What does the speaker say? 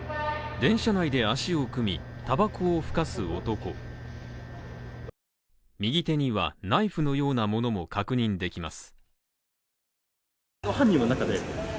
電車内で脚を組み、タバコをふかす男右手にはナイフのようなものも確認できます。